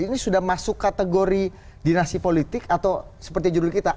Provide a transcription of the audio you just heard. ini sudah masuk kategori dinasti politik atau seperti judul kita